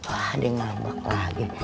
wah dia ngabak lagi